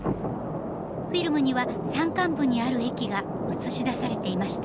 フィルムには山間部にある駅が映し出されていました。